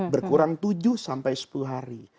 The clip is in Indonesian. berkurang tujuh sampai sepuluh hari